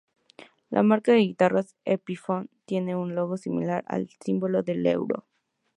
La marca de guitarras, Epiphone tiene un logo similar al del símbolo del euro.